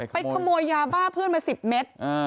ขโมยยาบ้าเพื่อนมา๑๐เมตร